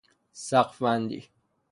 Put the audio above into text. سقف بندی